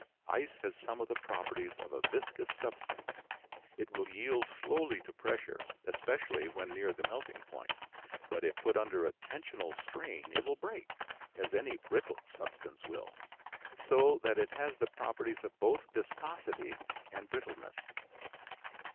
Ice has some of the properties of a viscous substance. It will yield slowly to pressure, especially when near the melting point, but if put under a tensional strain it will break, as any brittle substance will, so that it has the properties of both viscosity and brittleness.